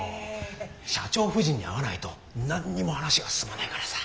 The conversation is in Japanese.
社長夫人に会わないと何にも話が進まないからさ。